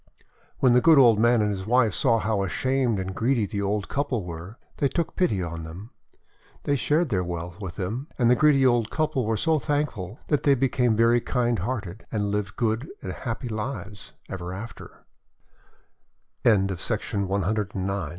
When the good old man and his wife saw how ashamed the greedy old couple were, they took pity on them. They shared their wealth with them; and the greedy old couple were so thank ful that they became very kind hearted, and lived good and happy lives